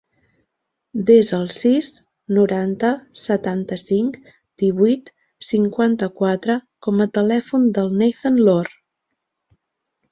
Desa el sis, noranta, setanta-cinc, divuit, cinquanta-quatre com a telèfon del Neizan Loor.